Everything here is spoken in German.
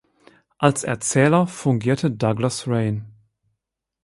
Als Erzähler fungierte Douglas Rain.